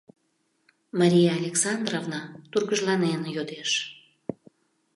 — Мария Александровна тургыжланен йодеш.